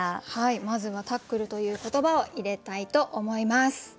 まずは「タックル」という言葉を入れたいと思います。